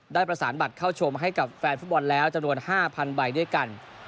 ประสานบัตรเข้าชมให้กับแฟนฟุตบอลแล้วจำนวน๕๐๐ใบด้วยกัน